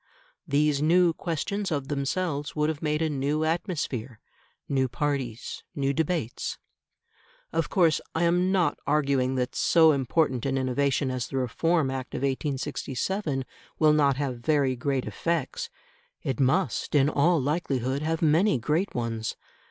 These new questions of themselves would have made a new atmosphere, new parties, new debates. Of course I am not arguing that so important an innovation as the Reform Act of 1867 will not have very great effects. It must, in all likelihood, have many great ones.